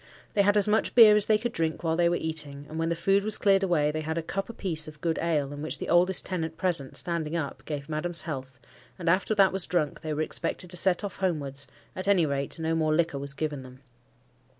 They had as much beer as they could drink while they were eating; and when the food was cleared away, they had a cup a piece of good ale, in which the oldest tenant present, standing up, gave Madam's health; and after that was drunk, they were expected to set off homewards; at any rate, no more liquor was given them.